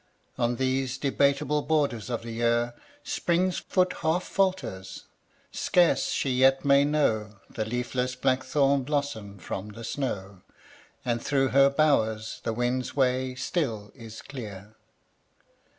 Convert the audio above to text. On these debateable* borders of the year Spring's foot half falters; scarce she yet may know The leafless blackthorn blossom from the snow; And through her bowers the wind's way still is clear.